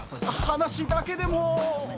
話だけでも。